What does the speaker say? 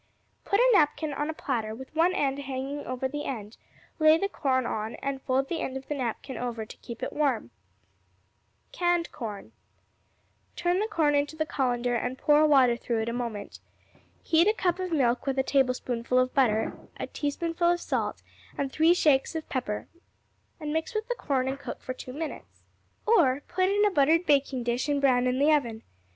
Put a napkin on a platter with one end hanging over the end; lay the corn on and fold the end of the napkin over to keep it warm. Canned Corn Turn the corn into the colander and pour water through it a moment. Heat a cup of milk with a tablespoonful of butter, a teaspoonful of salt, and three shakes of pepper, and mix with the corn and cook for two minutes. Or, put in a buttered baking dish and brown in the oven.